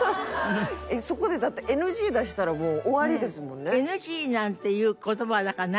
そこでだってＮＧ出したら終わりですもんね。